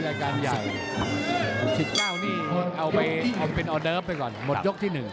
แล้วนี้รายการใหญ่